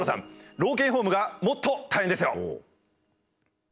老犬ホームがもっと大変ですよ。